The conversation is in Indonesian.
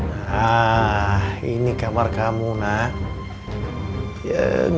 nah ini kamar kamu nak